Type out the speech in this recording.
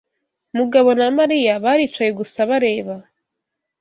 Mugabo na Mariya baricaye gusa bareba.